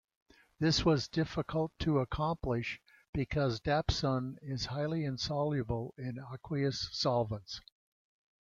This was difficult to accomplish because dapsone is highly insoluble in aqueous solvents.